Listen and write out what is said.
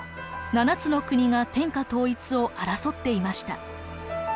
７つの国が天下統一を争っていました。